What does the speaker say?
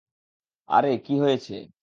আরে কি হয়েছে?